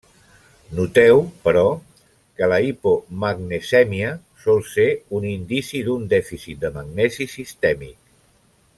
Noteu, però, que la hipomagnesèmia sol ser un indici d'un dèficit de magnesi sistèmic.